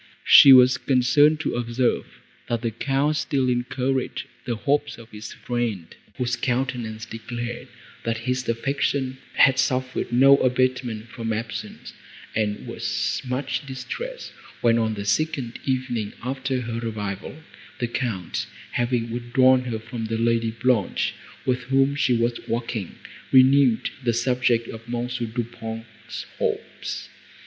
She was concerned to observe, that the Count still encouraged the hopes of his friend, whose countenance declared, that his affection had suffered no abatement from absence; and was much distressed, when, on the second evening after her arrival, the Count, having withdrawn her from the Lady Blanche, with whom she was walking, renewed the subject of M. Du Pont's hopes.